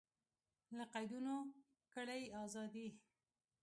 له قیدونو کړئ ازادي